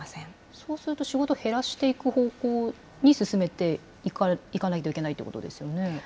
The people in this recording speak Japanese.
そうすると仕事を減らしていく方向に進めていかないといけなそうですね。